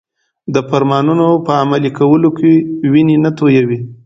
د فرمانونو په عملي کولو کې وینې نه تویوي.